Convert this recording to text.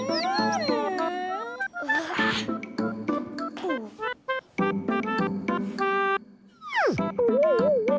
soalnya anda ada bedinda